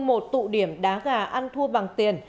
một tụ điểm đá gà ăn thua bằng tiền